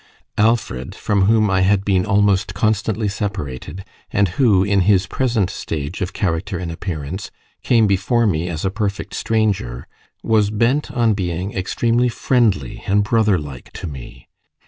Alfred, from whom I had been almost constantly separated, and who, in his present stage of character and appearance, came before me as a perfect stranger, was bent on being extremely friendly and brother like to me.